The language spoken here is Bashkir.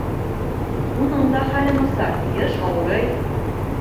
Уның да хәле насар, йыш ауырый.